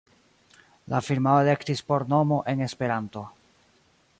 La firmao elektis por nomo en Esperanto.